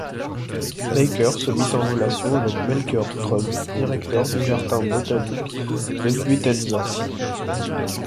Backer se mit en relation avec Melchior Treub, directeur du jardin botanique de Buitenzorg.